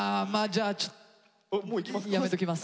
あもういきます？